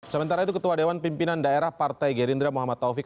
sementara itu ketua dewan pimpinan daerah partai gerindra muhammad taufik